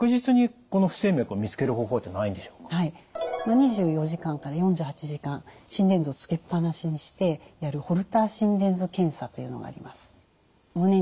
２４時間から４８時間心電図をつけっぱなしにしてやるホルター心電図検査というのがあります。